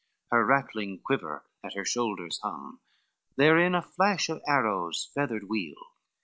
XXVIII Her rattling quiver at her shoulders hung, Therein a flash of arrows feathered weel.